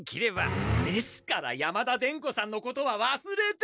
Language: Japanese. ですから山田伝子さんのことはわすれて。